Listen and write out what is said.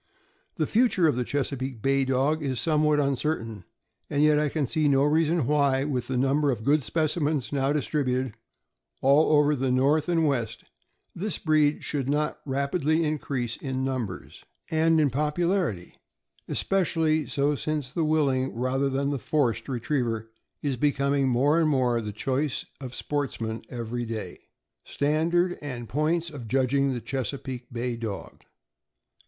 The future of the Chesapeake Bay Dog is somewhat uncertain, and yet I can see no reason why, with the number of good specimens now distributed all over the North and West, this breed should not rapidly increase in numbers and in popularity; especially so since the willing, rather than the forced, retriever is becoming more and more the choice of sportsmen every day. STANDAKD AND POINTS OF JUDGING THE CHESAPEAKE BAY DOG..